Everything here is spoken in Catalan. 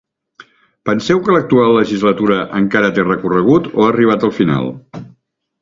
Penseu que l’actual legislatura encara té recorregut o ha arribat al final?